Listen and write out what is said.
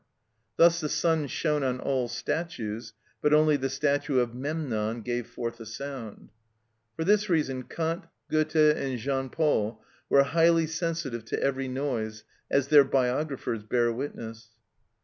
Thus the sun shone on all statues, but only the statue of Memnon gave forth a sound. For this reason Kant, Gœthe, and Jean Paul were highly sensitive to every noise, as their biographers bear witness.